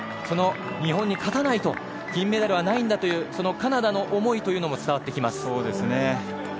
その日本に勝たないと金メダルはないんだというカナダの思いというのも伝わってきます。